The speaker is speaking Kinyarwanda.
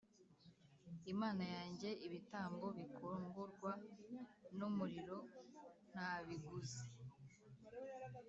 Imana yanjye ibitambo bikongorwa n umuriro ntabiguze